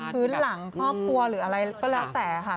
พื้นหลังภาพัวหรืออะไรก็แล้วแต่